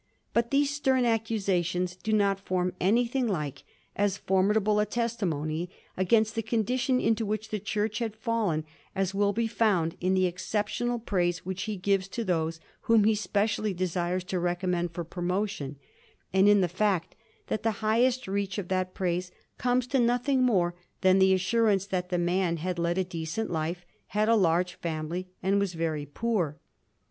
But these stem accusations do not form anything like as formidable a testimony against the condition into which the Church had fallen as will be found in the exceptional praise which he gives to those whom he specially desires to rec ommend for promotion; and in the fact that the highest reach of that praise comes to nothing more than the as surance that the man had led a decent life, had a large family, and was very poor.